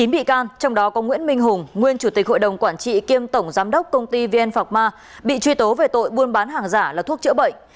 chín bị can trong đó có nguyễn minh hùng nguyên chủ tịch hội đồng quản trị kiêm tổng giám đốc công ty vn phạc ma bị truy tố về tội buôn bán hàng giả là thuốc chữa bệnh